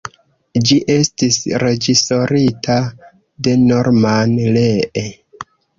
Ĝi estis reĝisorita de Norman Lee.